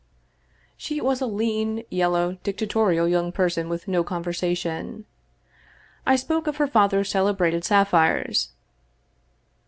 She was a lean, yellow, dictatorial young person with no conversation. I spoke of her father's celebrated sap phires.